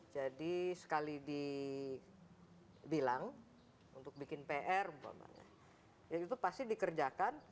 jadi sekali dibilang untuk bikin pr itu pasti dikerjakan